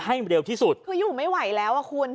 เร็วที่สุดคืออยู่ไม่ไหวแล้วอ่ะคุณ